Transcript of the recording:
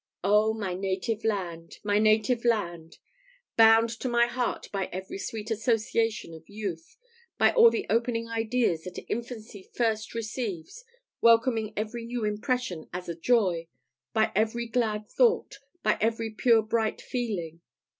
Oh, my native land! my native land! bound to my heart by every sweet association of youth by all the opening ideas that infancy first receives, welcoming every new impression as a joy by every glad thought by every pure bright feeling!